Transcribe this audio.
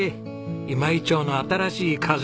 今井町の新しい風。